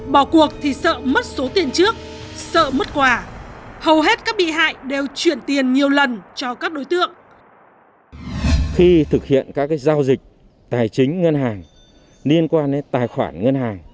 bỏ cuộc thì sợ mất số tiền trước sợ mất quà hầu hết các bị hại đều chuyển tiền nhiều lần cho các đối tượng